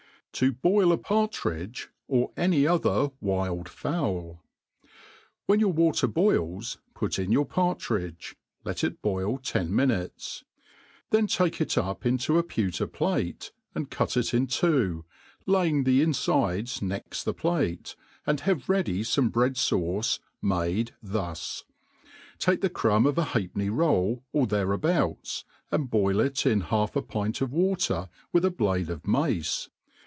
§ To boil a Partriagey or any other Jf^ild PowL WHEN your water boils, put in your partridge, let it boil ten minutes; then take it up into a pewter^ plate, and cut it in two, laying the infiAes next the plate, and, have ready fome bread fauce made thus : take the crumb of a halfpenny roll, or thereabouts, and boil it in half a pint of water, with a blade of mace.